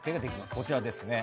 こちらですね